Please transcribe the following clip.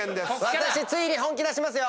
私ついに本気出しますよ。